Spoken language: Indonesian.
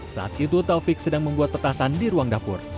saat itu taufik sedang membuat petasan di ruang dapur